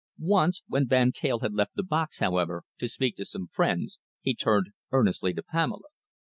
Once, when Van Teyl had left the box, however, to speak to some friends, he turned earnestly to Pamela.